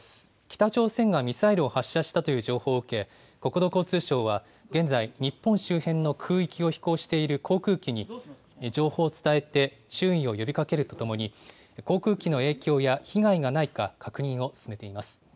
北朝鮮がミサイルを発射したという情報を受け、国土交通省は現在、日本周辺の空域を飛行している航空機に情報を伝えて、注意を呼びかけるとともに、航空機の影響や被害がないか、確認を進めています。